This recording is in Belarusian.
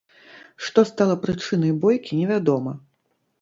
Што стала прычынай бойкі, невядома.